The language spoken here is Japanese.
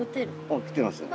おっ来てます。